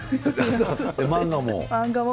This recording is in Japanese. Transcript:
漫画も？